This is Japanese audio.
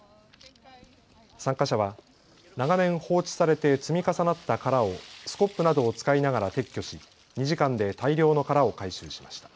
参加者は長年、放置されて積み重なった殻をスコップなどを使いながら撤去し２時間で大量の殻を回収しました。